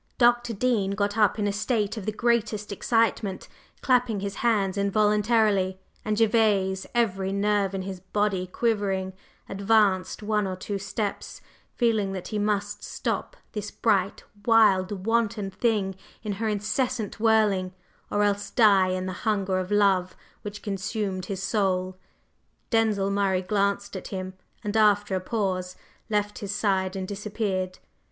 Dr. Dean got up in a state of the greatest excitement, clapping his hands involuntarily; and Gervase, every nerve in his body quivering, advanced one or two steps, feeling that he must stop this bright, wild, wanton thing in her incessant whirling, or else die in the hunger of love which consumed his soul. Denzil Murray glanced at him, and, after a pause, left his side and disappeared.